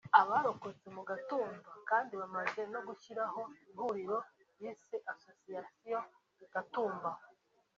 Abarokotse mu Gatumba kandi bamaze no gushyiraho ihuriro bise asosiyasiyo Gatumba